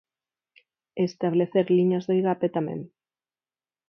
E establecer liñas do Igape tamén.